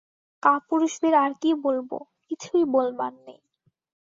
কাপুরুষদের আর কি বলব, কিছুই বলবার নাই।